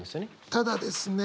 ただですね